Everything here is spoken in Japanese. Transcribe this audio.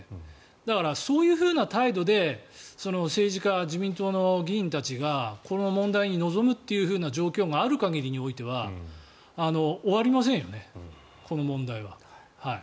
だから、そういうふうな態度で政治家、自民党の議員たちがこの問題に臨むという状況がある限りにおいては終わりませんよね、この問題は。